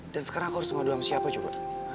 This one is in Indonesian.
dan sekarang aku harus ngadu sama siapa juga